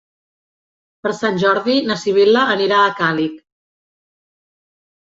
Per Sant Jordi na Sibil·la anirà a Càlig.